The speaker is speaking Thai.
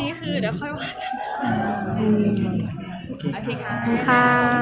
โอเคค่ะ